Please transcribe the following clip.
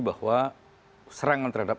bahwa serangan terhadap